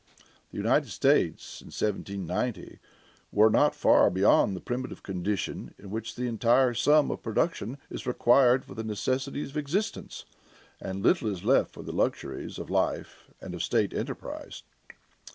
The United States in 1790 were not far beyond the primitive condition in which the entire sum of production is required for the necessaries of existence, and little is left for the luxuries of life and of state enterprise.